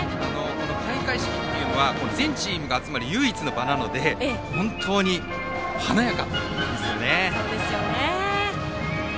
開会式は全チームが集まる唯一の場なので本当に華やかですね。